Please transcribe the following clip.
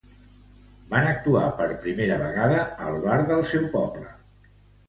Van actuar per primera vegada al bar del seu poble.